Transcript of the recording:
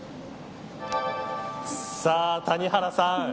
さあ、谷原さん。